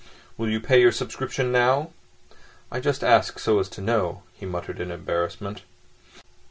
Will you pay your subscription now? I just ask so as to know," he muttered in embarrassment.